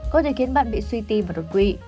có thể khiến bạn bị suy tim và đột quỵ